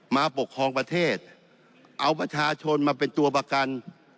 มาปกครองประเทศเอาประชาชนมาเป็นตัวประกัน